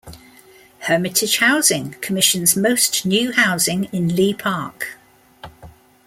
Hermitage Housing commissions most new housing in Leigh Park.